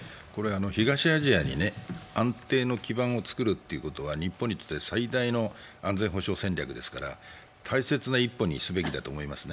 東アジアに安定の基盤を作るというのは、最大の安全保障戦略ですから、大切な一歩にするべきだと思います。